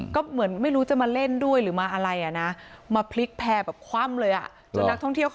ก็เหมือนไม่รู้จะมาเล่นด้วยหรือมาอะไร